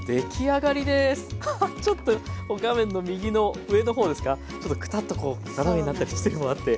アハちょっと画面の右の上の方ですかちょっとクタッとこう斜めになったりしてるのもあって。